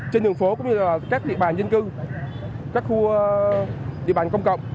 trên đường phố cũng như là các địa bàn dân cư các khu địa bàn công cộng